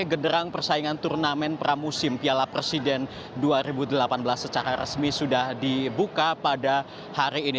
genderang persaingan turnamen pramusim piala presiden dua ribu delapan belas secara resmi sudah dibuka pada hari ini